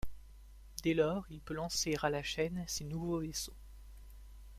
Dès lors il peut lancer à la chaine ses nouveaux vaisseaux.